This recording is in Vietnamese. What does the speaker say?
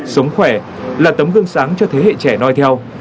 sống khỏe là tấm gương sáng cho thế hệ trẻ nói theo